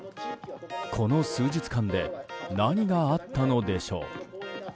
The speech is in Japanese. この数日間で何があったのでしょう。